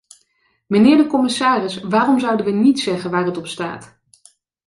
Mijnheer de commissaris, waarom zouden we niet zeggen waar het op staat?